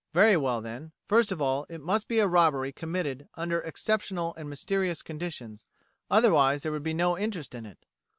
Very well: then, first of all, it must be a robbery committed under exceptional and mysterious conditions, otherwise there would be no interest in it.